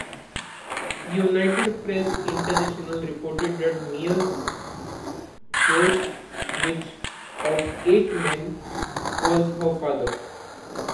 United Press International reported that Myers guessed which of eight men was her father.